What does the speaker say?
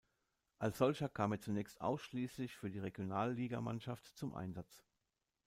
Als solcher kam er zunächst ausschließlich für die Regionalligamannschaft zum Einsatz.